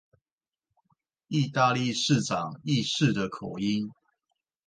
義大利市長義式的口音